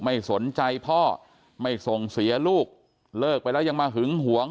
ไม่สนใจพ่อไม่ส่งเสียลูกเลิกไปแล้วยังมาหึงหวง